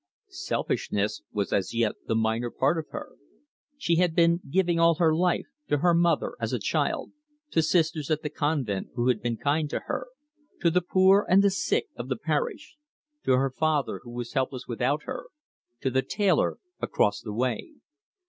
Selfishness was as yet the minor part of her. She had been giving all her life to her mother, as a child; to sisters at the convent who had been kind to her; to the poor and the sick of the parish; to her father, who was helpless without her; to the tailor across the way.